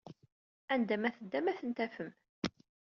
Anda ma teddam, ad tent-tafem.